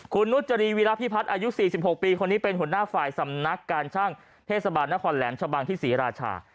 คุณนุจรีวีรพิพัฒน์อายุ๔๖ปีคนนี้เป็นหัวหน้าฝ่ายสำนักการช่างเทศบาลนครแหลมชะบังที่ศรีราชา